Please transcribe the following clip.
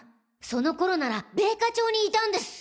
その頃なら米花町にいたんです。